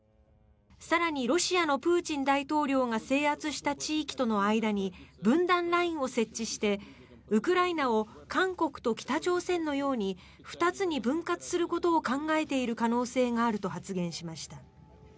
更に、ロシアのプーチン大統領が制圧した地域との間に分断ラインを設置してウクライナを韓国と北朝鮮のように２つに分割することを考えている可能性があると発言しました。